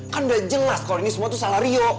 kan udah jelas kalau ini semua tuh salah rio